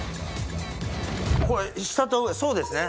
これ下と上そうですね